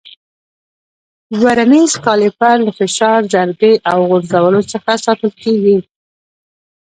ورنیز کالیپر له فشار، ضربې او غورځولو څخه ساتل کېږي.